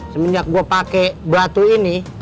semenjak gue pakai batu ini